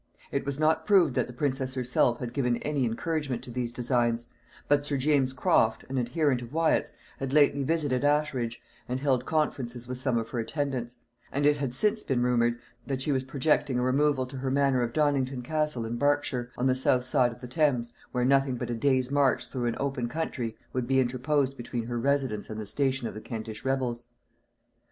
It was not proved that the princess herself had given any encouragement to these designs; but sir James Croft, an adherent of Wyat's, had lately visited Ashridge, and held conferences with some of her attendants; and it had since been rumored that she was projecting a removal to her manor of Donnington castle in Berkshire, on the south side of the Thames, where nothing but a day's march through an open country would be interposed between her residence and the station of the Kentish rebels.